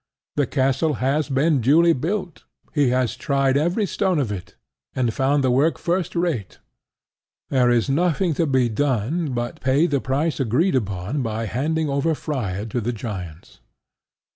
The castle has been duly built: he has tried every stone of it, and found the work first rate: there is nothing to be done but pay the price agreed upon by handing over Freia to the giants.